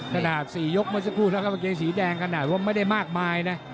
ขนาดสี่ยกเมื่อสักครู่แล้วครับเมื่อกี้สีแดงขนาดว่าไม่ได้มากมายนะ